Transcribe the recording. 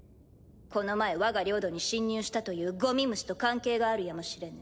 この前わが領土に侵入したというゴミ虫と関係があるやもしれぬ。